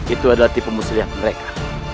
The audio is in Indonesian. itu adalah tipe muslian mereka